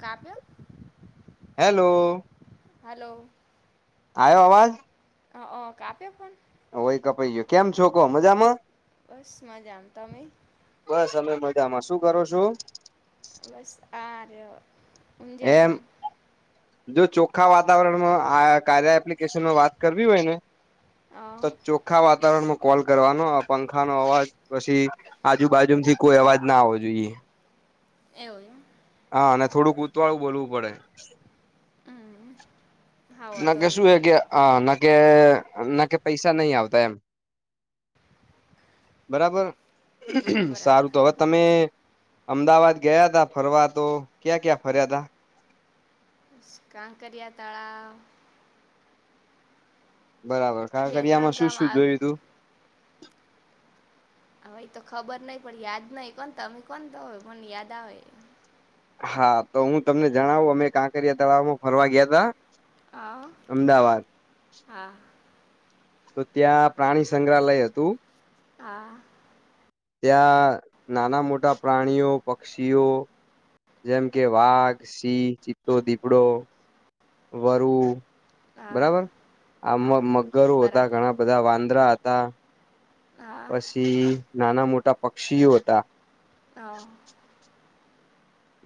કાવ્ય. Hello. Hello. આયો અવાજ. હ કાપે પણ હવે કપાઈ ગયું કેમ છો કો મજામાં. બસ મજામ તમે. બસ અમે મજામાં શું કરો છો? બસ આર એમ જો ચોખ્ખા વાતાવરણમાં આ કારયા એપ્લિકેશનમાં વાત કરવી હોય ને અ તો ચોખા વાતાવરણમાં કોલ કરવાનો આ પંખા નો અવાજ પછી આજુબાજુથી કોઈ અવાજ ના આવવો જોઈએ એવુ એમ હ ને થોડું ઉતવાળું બોલવું પડે એમ હમ હા ના વાંધો કે શું એ નહીં કે ના કે ના કે પૈસા નહી આવતા એમ બરાબર બરાબર સારું તો [unintelligible] તમે અમદાવાદ ગયાતા ફરવા તો ક્યાં ક્યાં ફર્યા તા કાંકરિયા તળા બરાબર બે ત્રણ કાકરીયામાં શું ગામ શું આવ જોયું તું? હવે એ તો ખબર નય પણ યાદ નય કોન તમે કોન તો મને યાદ આવે હા તો હું તમને જણાવું અમે કાંકરિયા તળાવમાં ફરવા ગયા તા આ અમદાવાદ હા. તો ત્યાં પ્રાણી સંગ્રહાલય હતું. હા. ત્યાં નાના મોટા પ્રાણીઓ, પક્ષીઓ જેમ કે વાઘ, સિંહ, ચિત્તો, દીપડો, વરુ હા બરાબર આ મ હા મગરો હતા બરાબર ઘણા બધા વાંદરા હતા. હા પછી નાના મોટા પક્ષીઓ હતા હ.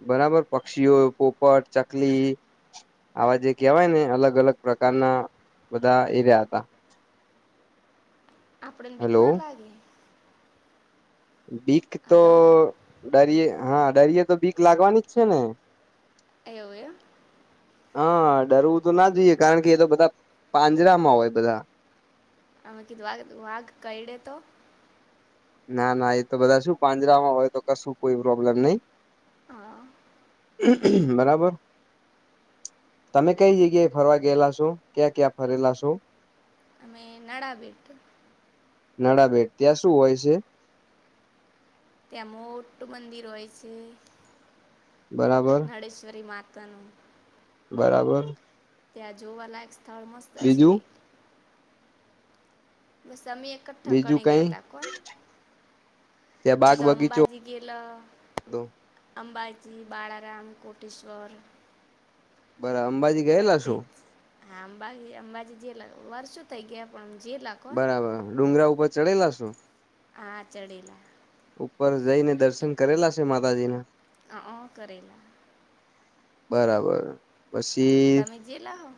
બરાબર પક્ષીઓ પોપટ, ચકલી આવા જે કહેવાય ને અલગ અલગ પ્રકારના બધા એર્યા હતા આપણન બીક ન હેલો લાગે બીક તો હલો ડરીયે હા ડરિયે તો બીક લાગવાની જ છે, ને એવું એ હા ડરવું તો ના જોઈએ કારણ કે એ તો બધા પાંજરામાં હોય બધા અમે કીધુ વાઘ વાઘ કયડે તો ના ના એ તો બધા શું પાંજરામાં હોય તો કશું કોઈ પ્રોબ્લેમ નઈ હ. બરાબર તમે કઈ જગ્યાએ ફરવા ગયેલા છો ક્યાં ક્યાં ફરેલા છો અમે નડાબેટ નડાબેટ ત્યાં શું હોય છે. ત્યાં મોટું મંદિર હોય છે. બરાબ મડેશ્વરી માતાનું બરાબર. ત્યાં જોવાલાયક સ્થળ મસ્ત છે, બીજું બસ અમી બીજું કઠકણે કઈ ગયા તા કોન ત્યાં એમ બાગ તો બગીચો અંબાજી ગેલ હતો અંબાજી, બાળારામ, કોટેશ્વર બરા અંબાજી ગયેલા બધે છો? જ હા અંબાજી અંબાજી જેલા વર્ષો થઇ ગયા પણ જેલા કોણ બરાબર ડુંગરા ઉપર ચડેલા છો? હા ચડેલા ઉપર જઈને દર્શન કરેલા છે, માતાજીના હ કરેલા. બરાબર પછી તમે જેલા હો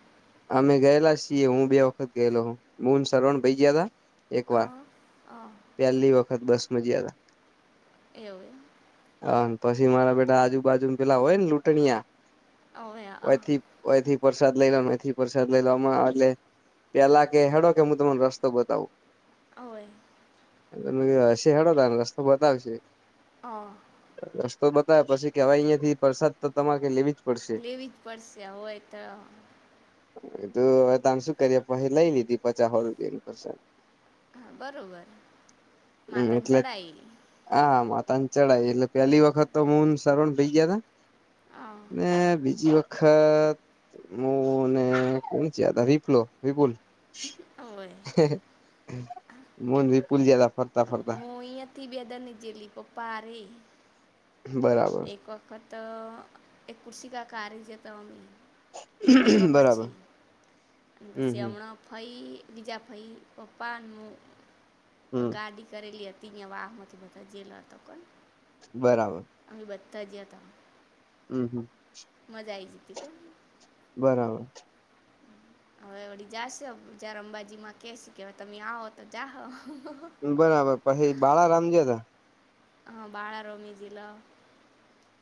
અમે ગયેલા છીએ હું બે વખત ગયેલો હું મુન શ્રવણભાઈ જ્યાં તા. એક અ વાર અ પહેલી વખત બસ મ જયા હતા. એવું એમ. હ પછી મારા બેટા આજુબાજુ પેલા હોય ને લૂટણીયા, ઓવે અ ઓયથી ઓયથી પરસાદ લઈ લો ન ઓયથી પરસાદ લઈ લો આમાં એટલે પેલા કે હેડો કે મુ તમન રસ્તો બતાવું. ઓવે. મેં કીધું હસે હેડો તાણ રસ્તો બતાવશે. હા. રસ્તો બતાવે પછી કેવાય અહીંયા થી પરસાદ તો તમારે લેવી જ પડશે લેવી જ પડશે હોય તો. કીધું હવે તાણ શું કરીએ પછી લઈ લીધી પચાસ હો રૂપિયાની પરસાદ. હા બરોબર હમ મતાન એટલે ચડાઈ. હા માતાન ચઢાઈ એટલે પેલી વખત તો મુ ન સરવણભઇ જ્યાં તા. હા ને બીજી વખ ખત મુ ને કૂણ જ્યાં તા વિપલો વિપુલ. હોય મુન વિપુલ જ્યાં તા ફર મુ ઈયથી બે દન ની જેેલી પપ્પા હારે. બરાબર. એક વખત અ એક કુર્સી કાકા હારે જ્યત અમી. વીવા બરાબર પછી, અને હમ પછી હમ હમણાં ફઈ વીઝા ફઈ પપ્પા ન મુ હમ ગાડી કરલી હત તી નેવાહમાં અથી બતા જે લર તો પણ બરાબર. અમી બધ્ધ જ્ય ત. હમ્મ હમ્મ. મજા આઈજીતી કોન. બરાબર. હવે વડી જાશ જાર અંબાજી માં કેશી કે હવે તમી આવો તો જાહ. બરાબર પછી બાળારામ જ્યાં ત. હ બાલારામ એ જિલ્લો.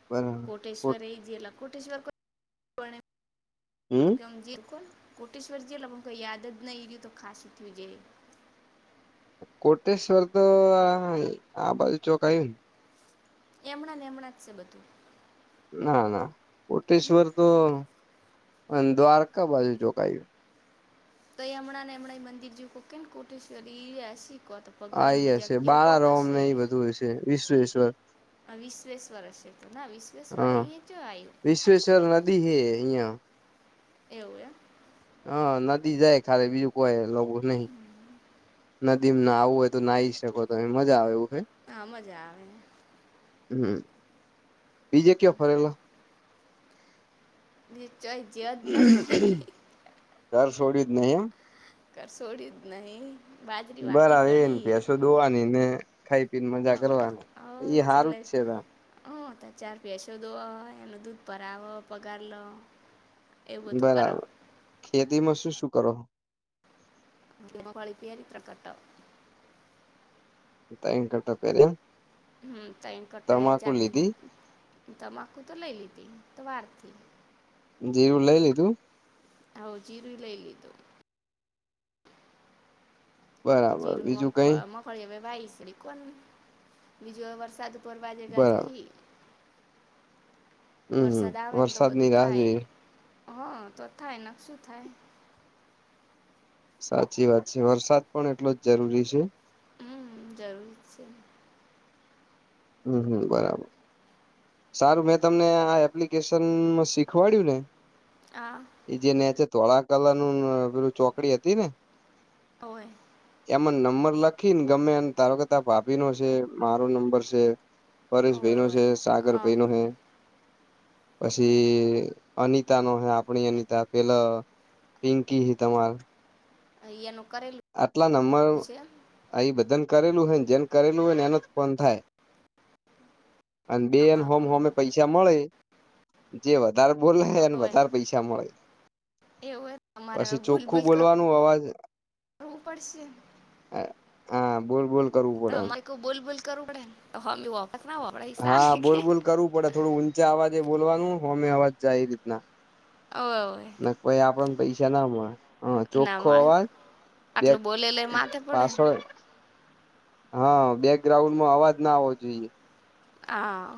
બરાબ કોટેશ્વર એ જલા કોટેશ્વર કો. હમ કોટેેશશ્વરજી અલ મુ યાદ જ ન ય તો ખાસસી હતી હોજ. કોટેશ્વર તો આ બાજુ ચોક આવ્યું ને. એમણાં ને એમણાં જ છે બધું. ના ના કોટેશ્વર તો દ્વારકા બાજુ ચોકાય. તો એ હમણાં હમણાં મંદિર જયું કેને કોટેશ્વરી ઈ શીખ તો. આ ભગવાન એ બીજા હશે કેવું બાળા કોક રોમને હશે એ બધું હશે વિશ્વેશ્વર. હ વિશ્વેશ્વર હશે તોું ના વિશ હા વિશ્વેશ્વર નદી હે અહિયાં. એવુ એમ. હ નદી જાય ખ બીજું કોઈ નહી, નદીમાં ના આવું હોય તો નાહી શકો તમે મજા આવે એવું છે. હા મજા આવે. હમ. બીજે કયો ફરેલો? નિનીશ્ચય જદ નહીં. ઘર સોડ્યું જ નહી એમ. કરસોડ્યું જ નહી બાજરી વાટી ગણી એ. ડોવાની ને ખાઈ પી ને મજા કરવાની એ હારું જ છે ત. હ ત ચાર ભેંસો દો એનો દૂધ ભરાવો આવો પગાર લો. એવું બધું કર બરાબર ખેતીમાં શું શું કરો. મગફળી પેલી તા કરતા. ત્રણ તટ પેલા. હમ તમ કટ ચાર લીધી તમાકું તો લઈ લીધી તો વાર થી. જીરુ લઈ લીધું. હવ જીરુ ય લઈ લીધું. બરાબર જીરું મ બીજું કઈ મગફળી હવે વાઈસ કો બીજું હવે વરસાદ. પડવાની રાહ બરાબર જોઈ હિ. હમ હમ વરસાદ આવે ને તો વરસાદની બધું રાહ જોઈએ થાય હ તો થાય નક શું થાય. સાચી વાત છે વરસાદ પણ એટલો જ જરૂરી છે. હમ જરૂરી છે. હમ હમ બરાબર. સારું મેં તમને આ એપ્લિકેશન શીખવાડયું ને. હા. એ જે નેચે ધોળા કલરનું પેલું ચોકડી હતી ને. હોવે. એમાં નંબર લખી ને ગમે એ તારો કે તાર ભાભી નો છે મારો નંબર છે. પરેશ ઓવે ભાઈનો ઓવે છે સાગર અ ભાઈનો હૈ. પછી અનિતા નો હે આપણી અનિતા પેલા. પિંકી હે તમાર. અ એનું કરેલું. આટલા નંબર છે અહી બધાનું કરેલું હોય ને જેને કરેલું હોય ને એનો જ ફોન થાય. અને બે એન હોમ હોમે પૈસા મળે. જે વધારે બોલે એને હવે વધારે પૈસા મળે. એવું હોય તો અમારે હવે પછી ચોખ્ખું બોલવાનું અવાજ. કરું પડશે. હા બોલ બોલ. કરવું તો પડે એમ અરે કોઈ બોલ બોલ કરવું પડે ને તો અમે એ વખત ના વાપડે એ સાર હા બોલ કે. બોલ કરવું પડે થોડું ઊંચા અવાજે બોલવાનું હોમે અવાજ જાય એ રીતના. ઓવે ઓવે નક પહિ આપણને પૈસા ના મળે હ ના ચોખ્ખો મળે અવાજ. બેગ આટલું બોલેલે માથે પડે ને પાછળ. હા બેગ્રાઉન્ડમાં અવાજ ના આવવો જોઈએ. હા.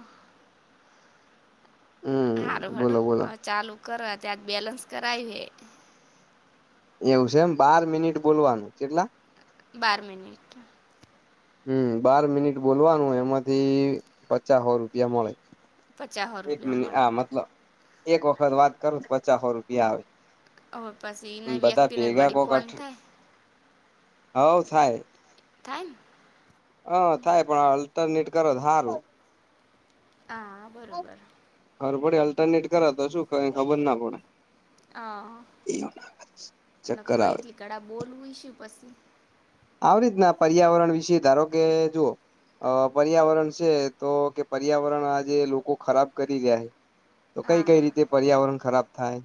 હારું હમ હડો બોલો બોલો ચાલુ કરો અત્યારે બેલેન્સ કરાયુ હે. એવું છે એમ બાર મિનિટ બોલવાનું કેટલા. બાર મિનિટ. હમ બાર મિનિટ બોલવાનું એમાંથી પચા હો રૂપિયા મળે. પચાસો એક રૂપિયા મિનિટ મળે આ મતલબ એક વખત વાત કરો પચા હો રૂપિયા આવે. અવે પછી એના બધા વ્યક્તિને ભેગા વળી કોક ફોન અઠ થાય. હવ થાય. થાય ને. હ થાય પણ અલ્ટરનેટ કરે તો હારું. હા બરોબર. પડે અલ્ટરનેટ કરે તો શું કઈ ખબર ના પડે. હા ચક્કર આવે. કડા બોલવુંય શું પછી. આવી રીતના પર્યાવરણ વિશે ધારો કે જુઓ. અ પર્યાવરણ છે તો કે પર્યાવરણનું આજે લોકો ખરાબ કરી રહ્યા છે. તો કઈ હા કઈ હા રીતે પર્યાવરણ ખરાબ થાય.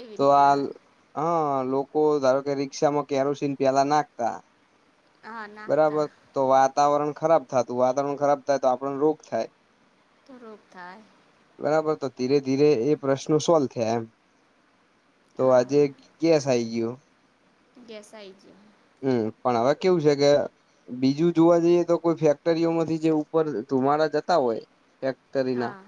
એવી તો આ રીતના હા લોકો ધારો કે રિક્ષામાં કેરોસીન પેલા નાખતા હા નાખતા બરાબર તો વાતાવરણ ખરાબ થાતું વાતાવરણ ખરાબ થાય તો આપડ રોગ થાય. તો રોગ થાય. બરાબર તો ધીરે ધીરે એ પ્રશ્નો સોલ થયા એમ. તો હા આજે ગેસ આવી ગયું. ગેસ આવી ગયું. હમ પણ અવે કેવું છે કે બીજું જોવા જઈએ તો કોઈ ફેક્ટરીઓમાંથી જે ઉપર જે ધુમાડા જતા હોય. ફેક હા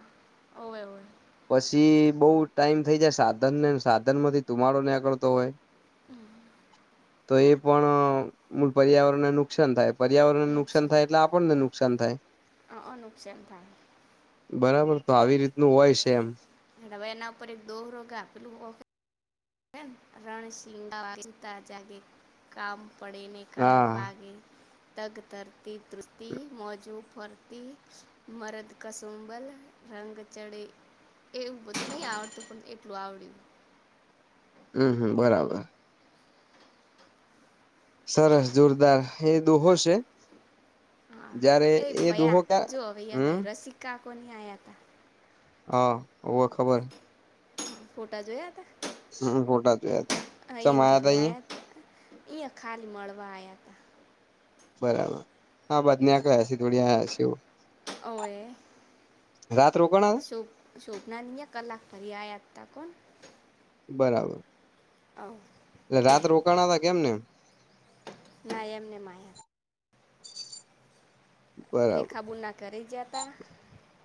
હોવે હોવે. પછી બોઉ ટાઈમ થઈ જાય સાધન ને સાધનમાંથી ધુમાડો નીકળતો હોય. હમ. તો એ મુ પર્યાવરણને નુકસાન થાય પર્યાવરણને નુકસાન થાય એટલે આપણને નુકસાન થાય. હા અ નુકસાન થાય. બરાબર તો આવી રીતનું હોય છે એમ. હમ એના ઉપર એક દોહરો [unintelligible] રણ [unintelligible] જાગે કામ પડેને [unintelligible] હા તગ ધરતી ધૃજતી, મોજું ફરતી, મરદ કસુંભલ રંગ ચડે એવું બધું નઈ આવડતું પણ એટલું આવડ્યું. હમ હમ બરાબર. સરસ જોરદાર એ દોહો છે? હા જયારે એ પેલા દોહો ક્યાં જો અવે યાદ હમ આવ્યું રસિકા કોકો નહીં આવ્યો હતો. હા હોવે ખબર. હતા ફોટા જોયા હતા? હમ ફોટા જોયા હતા. અહીંયા સમાયા હતા ઘરે અહિયાં આવ્યાં હતા. એ ખલી મળવા આવ્યાં હતા. બરાબર આ વાત ને નોકર સ્તરીય હશે એવુ. અવે રાત રોકાણા શું સોભરા ની કલાક ફરી આવ્યાં હતા તે કોણ? બરાબર. આવ. એટલે રાત રોકાણ હતા કેમ ને. ના એમને આયા. બરાબર રેખાબૂના કરી જતા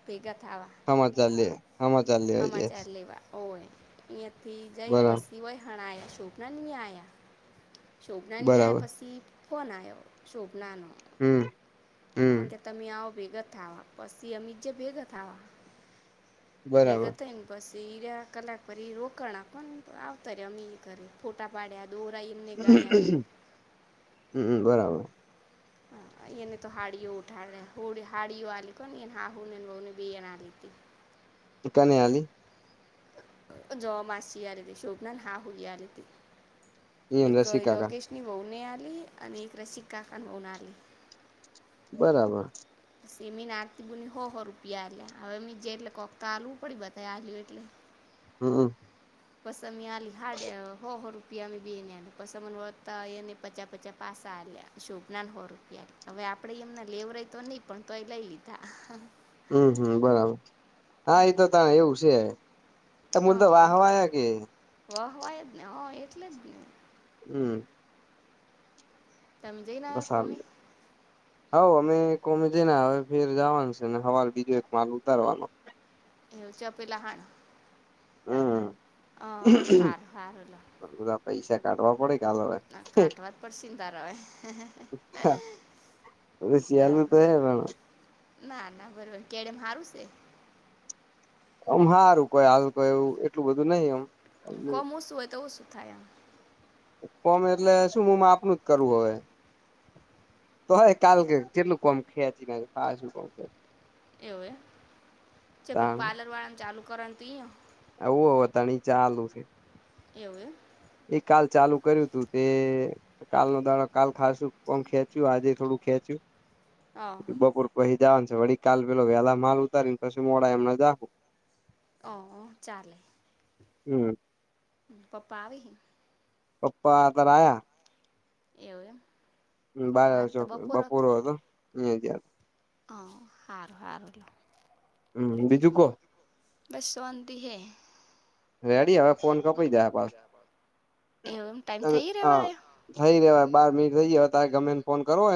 ભેગા થવા. હમાચાલ લે સમાચાર લેવા ગયા સમાચાર લેવા હોય અહંથી જઈને બરાબર પછી હોય હણાય શું. છોભના નહીં આવ્યા છોભના નહીં આવયા બરાબર પછી ફોન આવ્યો શોભનાનો. હમ. હ હમ કે તમે આવો ભેગા થાવા પછી અમે જે ભેગા થવા. બરાબર ભેગા થઈને પછી કલાક પરી રોકણ આપખવાને આવતા રે અમે એ ઘરે ફોટા પાડ્યા. દોરાઈન હમ હમ બરાબર. હ એન તો હાડીઓ ઉઠાડે હોડી હાડી આલીકને હા હું ને અને વઉને બી એન આલી હતી. કેને આલી જો માસીસી આલે તે શોભનાન હાહઈ આલે તે એમ એક રસી કાકા યોગેશની હોવુ ને આલી અને એક રસિકા ખાન ભવુને આલી. બરાબર. સેમીને આરતી બુની હો હો રૂપિયાલ્યા હવે જે એટલે કોક તો આલવું પડી બધા આલ્યું એટલે. હમ. બસમી આલી હાડ હો હો રૂ રૂપિયા બેને આલે કસમ હોતા એને પચા પચા પાસા આલ્યા સુપનાંન હો રૂપિયા હવે આપડે એમના લેવરાય તો નહી પણ તોય લઈ લીધા. હમ હમ બરાબર એમ હા એતો ત એવું છે. એ મૂલ તો વાહવાયા કે વાહ વાય જ ને હા એટલે જ ને. હમ. તમે જઈને આવ્યા બસા કોમી હઉ અમે કોમે છેને હવે ફેર જવાનું છે ને હવાલ બીજો એક માલ ઉતારવાનો. એવ છે આપે લહાન હમ હ હાર હાર હલો. પણ બધા પૈસા કાઢવા પડે. કાલ હવે ના કાટવા જ પરસી તારા એ શિયાલ ન તો ના ના બરોબર કેડેમ હારું છે. આમ હારું કોઈ હાલ કોઈ એવું એટલું બધું નહી આમ. કોમ ઓછું હોય તો ઓછું થાય આમ. ફમ એટલે શું મમ આપનું જ કરવું હવે. તો હ કાલ કે કેટલું કોમ ખેચી કોમ ખ એવું પાર્લર વાળાનું ચાલુ કરવાનું ત આવું હવે તણી ચાલુ છે. એવું એ કાલ ચાલુ કર્યું તું તે કાલ નો દાણો કાલ ખાશુ પણ ખેંચ્યું આજે થોડું ખેંચ્યું બપોર પછી જવાનું છે વળી કાલ પેલો વેલા માલ ઉતારી ને પછી મોડા એમના જાહુ ઓ ચાલે. હમ. પપ્પા આવીહે પપ્પા અત્યાર આયા. એવું એમ બાર આજ આ તો છોક બપોર બપોરો ને હતો અ જયા હ હારૂ હારૂ લ હમ બીજું કો બસવંતી હૈ રેડી હવે ફોન કપી દે પાસ એવું એમ ટાઈમ થઈ હ રહેવા આયો થઈ રવાય બાર મિનિટ થઈ જાય તારે ગમે ને ફો કરવો હો ને